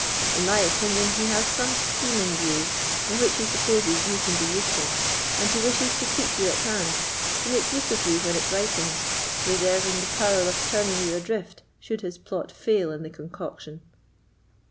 In my opinion, he has some scheme in view in which he supposes you can be useful, and he wishes to keep you at hand, to make use of you when it ripens, reserving the power of turning you adrift, should his plot fail in the concoction."